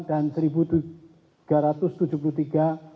dan satu tiga ratus orang meninggal